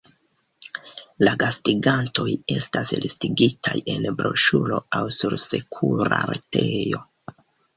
La gastigantoj estas listigitaj en broŝuro aŭ sur sekura retejo.